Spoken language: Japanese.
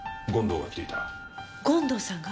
権藤さんが？